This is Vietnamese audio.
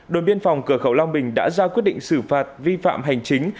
đồn biên phòng cửa khẩu long bình đã ra quyết định xử phạt vi phạm hành chính